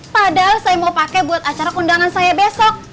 padahal saya mau pakai buat acara undangan saya besok